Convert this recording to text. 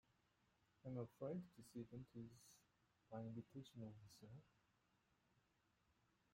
I'm afraid this event is by invitation only, sir.